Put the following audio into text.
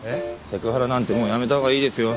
セクハラなんてもうやめた方がいいですよ。